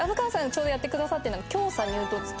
ちょうどやってくださってるのが。